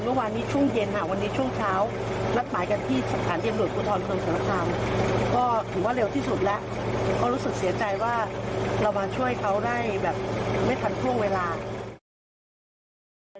เรามาช่วยเค้าได้แบบไม่ทันท่วงเวลา